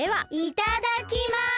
いただきます。